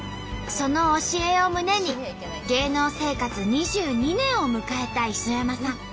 その教えを胸に芸能生活２２年を迎えた磯山さん。